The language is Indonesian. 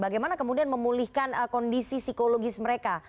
bagaimana kemudian memulihkan kondisi psikologis mereka